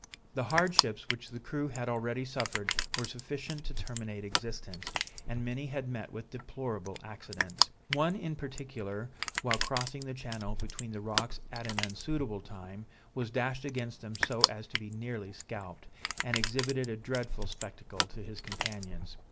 The hardships which the crew had already suffered were sufficient to terminate existence, and many had met with deplorable accidents. One in particular, while crossing the channel between the rocks at an unsuitable time, was dashed against them so as to be nearly scalped, and exhibited a dreadful spectacle to his companions.